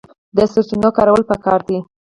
د سرچینو کارول پکار دي